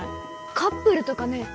カップルとかね